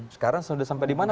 sekarang sudah sampai di mana